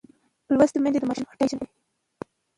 لوستې میندې د ماشوم اړتیاوې پېژني.